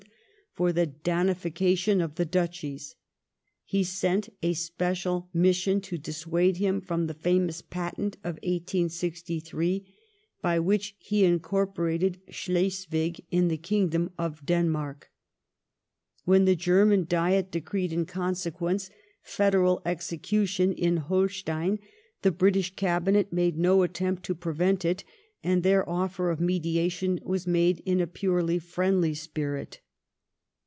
for the '* Danification " of the Duchies ; he sent a special mission to dissuade him from the famous patent of 1863 by which he incorporated Schles*' wig in the kingdom of Denmark. When the German Diet decreed in consequence " federal execution " in Holstein, the British Cabinet made no attempt to pre* yent it, and their offer of mediation was made in a purely friendly spirit.